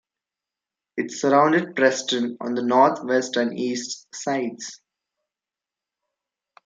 It surrounded Preston on the north, west and east sides.